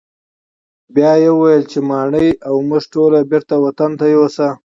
بیا یې وویل چې ماڼۍ او موږ ټول بیرته وطن ته یوسه.